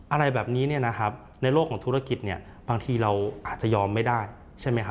อะไรแบบนี้ในโลกของธุรกิจบางทีเราอาจจะยอมไม่ได้ใช่ไหมครับ